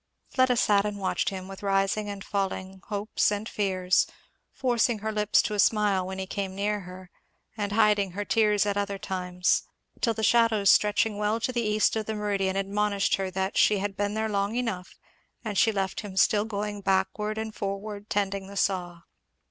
Fleda sat and watched him, with rising and falling hopes and fears, forcing her lips to a smile when he came near her, and hiding her tears at other times; till the shadows stretching well to the east of the meridian, admonished her she had been there long enough; and she left him still going backward and forward tending the saw.